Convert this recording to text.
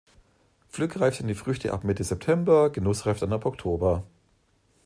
Pflückreif sind die Früchte ab Mitte September, genussreif dann ab Oktober.